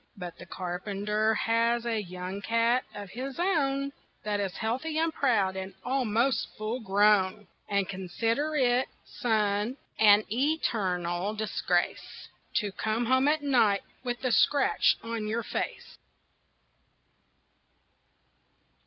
But the carpenter has a young cat of his own That is healthy and proud and almost full grown, And consider it, son, an eternal disgrace To come home at night with a scratch on your face."